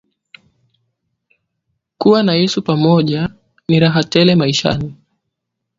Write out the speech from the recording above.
Kuwa na yesu pamoja ni raha tele maishani